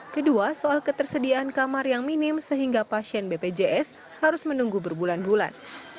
kedua soal ketersediaan kamar yang minim sehingga pasien bpjs harus menunggu berbulan bulan